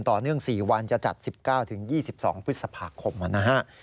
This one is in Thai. ต่อเนื่อง๔วันจะจัด๑๙๒๒พฤษภาคมนะฮะ